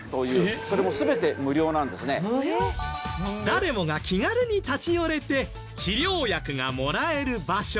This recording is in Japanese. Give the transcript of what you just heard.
誰もが気軽に立ち寄れて治療薬がもらえる場所。